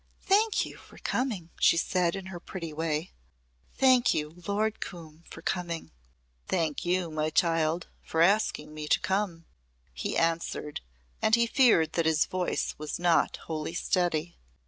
"Thank you for coming," she said in her pretty way. "Thank you, Lord Coombe, for coming." "Thank you, my child, for asking me to come," he answered and he feared that his voice was not wholly steady.